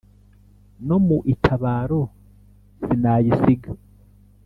No mu itabaro sinayisiga.